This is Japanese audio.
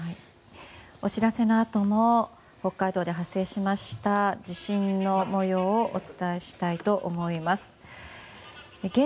お知らせのあとも北海道で発生しました地震の模様をお伝えしたいと思います。